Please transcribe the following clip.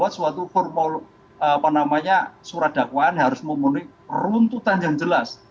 orang penuntut umum dalam membuat suatu formal apa namanya surat dakwaan yang harus memenuhi peruntutan yang jelas